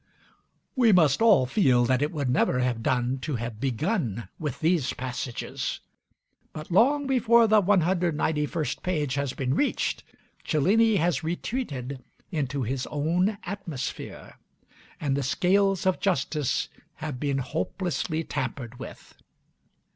We must all feel that it would never have done to have begun with these passages; but long before the 191st page has been reached, Cellini has retreated into his own atmosphere, and the scales of justice have been hopelessly tampered with.